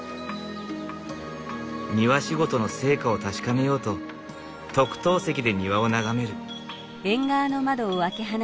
庭仕事の成果を確かめようと特等席で庭を眺める。